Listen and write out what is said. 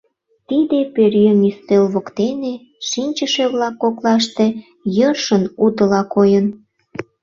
Тиде пӧръеҥ ӱстел воктене шинчыше-влак коклаште йӧршын утыла койын.